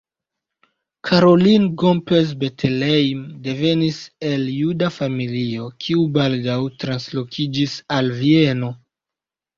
Caroline Gomperz-Bettelheim devenis el juda familio, kiu baldaŭ translokiĝis al Vieno.